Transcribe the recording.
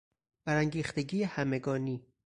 برانگیختگی همگانی